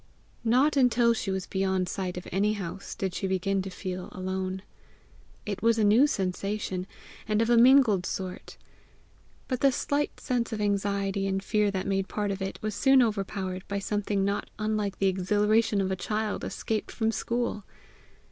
Not until she was beyond sight of any house, did she begin to feel alone. It was a new sensation, and of a mingled sort. But the slight sense of anxiety and fear that made part of it, was soon overpowered by something not unlike the exhilaration of a child escaped from school.